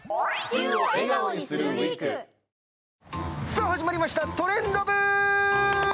さぁ、始まりました、「トレンド部」。